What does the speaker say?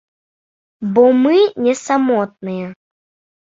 Бо мы не самотныя.